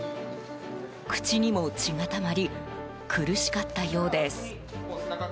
口にも血がたまり苦しかったようです。